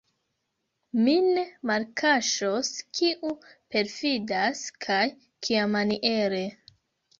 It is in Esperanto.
Mi ne malkaŝos, kiu perfidas, kaj kiamaniere.